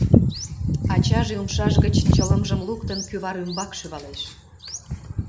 Ачаже, умшаж гыч чылымжым луктын, кӱвар ӱмбак шӱвалеш.